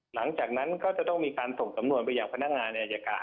หลังจากนั้นต้องส่งสำนวนไปว่าไปขยะภรรยาลัยการ